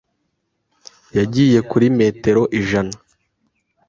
yagiye kuri metero ijana.